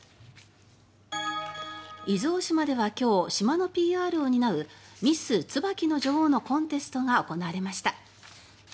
伊豆大島では今日島のＰＲを担うミス椿の女王のコンテストが行われました。